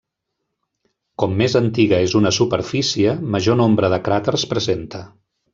Com més antiga és una superfície, major nombre de cràters presenta.